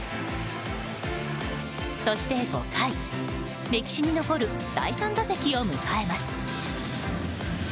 そして５回、歴史に残る第３打席を迎えます。